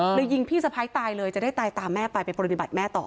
หรือยิงพี่สะพ้ายตายเลยจะได้ตายตามแม่ไปไปปฏิบัติแม่ต่อ